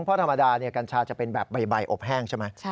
เพราะธรรมดากัญชาจะเป็นแบบใบอบแห้งใช่ไหม